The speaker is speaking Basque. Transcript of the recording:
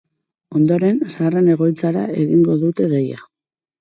Ondoren, zaharren egoitzara egingo dute deia.